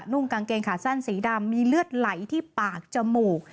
่งกางเกงขาสั้นสีดำมีเลือดไหลที่ปากจมูก